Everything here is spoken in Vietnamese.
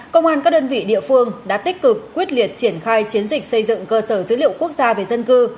công an các đơn vị địa phương đã tích cực quyết liệt triển khai chiến dịch xây dựng cơ sở dữ liệu quốc gia về dân cư